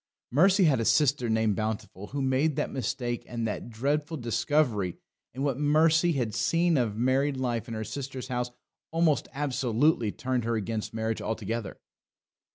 Mercy had a sister named Bountiful, who made that mistake and that dreadful discovery; and what Mercy had seen of married life in her sister's house almost absolutely turned her against marriage altogether.